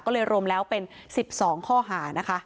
ก็เลยรวมแล้วเป็น๑๒ข้อหานะคะ